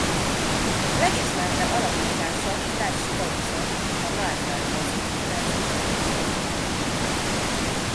Legismertebb alakítása Flash Thompson a Marvel-moziuniverzum filmjeiben.